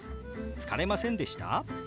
「疲れませんでした？」。